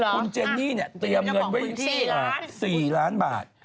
คุณเจนนี่เนี่ยเตรียมเงินไว้๔ล้านบาท